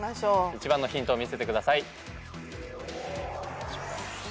１番のヒントを見せてください。